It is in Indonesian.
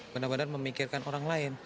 benar benar memikirkan orang lain